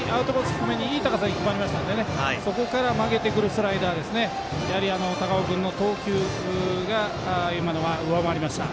低めにいい高さに決まりましたのでそこから曲げてくるスライダー高尾君の投球が今のは上回りました。